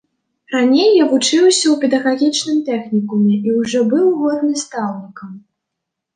Раней я вучыўся ў педагагічным тэхнікуме і ўжо быў год настаўнікам.